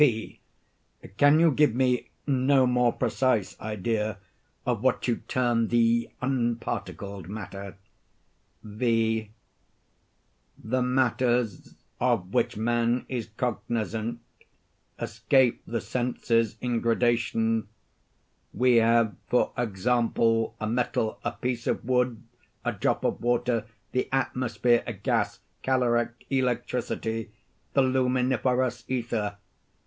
P. Can you give me no more precise idea of what you term the unparticled matter? V. The matters of which man is cognizant escape the senses in gradation. We have, for example, a metal, a piece of wood, a drop of water, the atmosphere, a gas, caloric, electricity, the luminiferous ether.